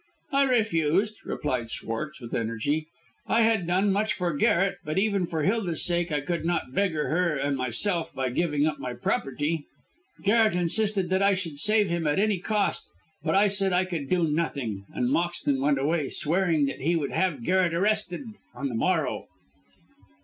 "I refused," replied Schwartz, with energy. "I had done much for Garret, but even for Hilda's sake I could not beggar her and myself by giving up my property. Garret insisted that I should save him at any cost, but I said I could do nothing; and Moxton went away swearing that he would have Garret arrested on the morrow."